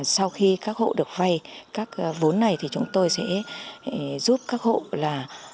sau khi các hộ được vay các vốn này thì chúng tôi sẽ giúp các hộ là